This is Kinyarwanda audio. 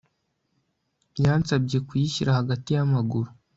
yansabye kuyishyira hagati y'amaguru